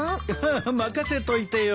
任せといてよ。